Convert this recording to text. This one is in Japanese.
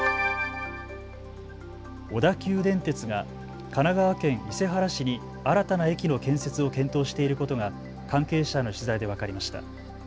小田急電鉄が神奈川県伊勢原市に新たな駅の建設を検討していることが関係者への取材で分かりました。